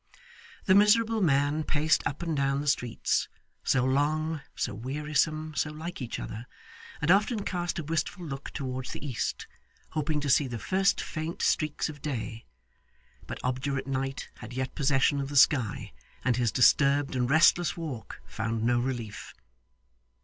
The miserable man paced up and down the streets so long, so wearisome, so like each other and often cast a wistful look towards the east, hoping to see the first faint streaks of day. But obdurate night had yet possession of the sky, and his disturbed and restless walk found no relief.